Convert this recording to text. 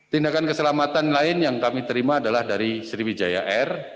tindakan keselamatan lain yang kami terima adalah dari sriwijaya air